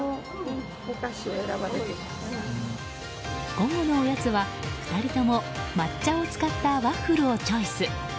午後のおやつは２人とも抹茶を使ったワッフルをチョイス。